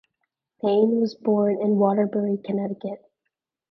Mayne was born in Waterbury, Connecticut.